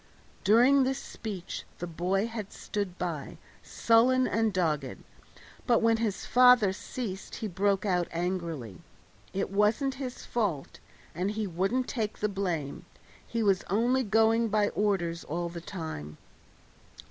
During this speech the boy had stood by, sullen and dogged, but when his father ceased he broke out angrily. It wasn't his fault, and he wouldn't take the blame; he was only going by orders all the time.